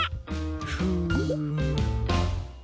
フーム。